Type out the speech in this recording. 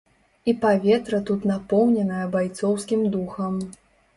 І паветра тут напоўненае байцоўскім духам.